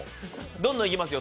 どんどんいきますよ。